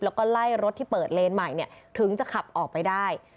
แล้วก็ไล่รถที่เปิดเลนใหม่ถึงจะขับออกไปได้